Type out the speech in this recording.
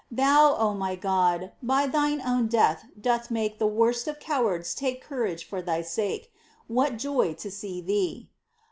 Thou, O my God, by Thine Own death doth make The worst of cowards take courage for Thy sake — What joy to see Thee